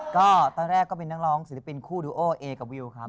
ก็ตอนแรกก็เป็นนักร้องศิลปินคู่ดูโอเอกับวิวครับ